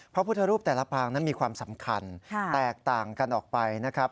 พระพุทธรูปแต่ละปางนั้นมีความสำคัญแตกต่างกันออกไปนะครับ